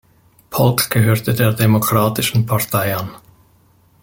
Polk gehörte der Demokratischen Partei an.